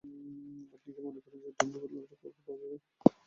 আপনি কি মনে করেন যে টমের বদলে আর কাউকে পাওয়া যাবে?